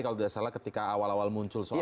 kalau tidak salah ketika awal awal muncul soal